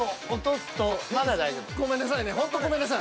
ごめんなさいねほんとごめんなさい。